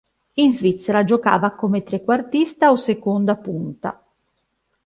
In Svizzera giocava come trequartista o seconda punta.